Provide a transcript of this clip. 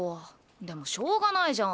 でもしょうがないじゃん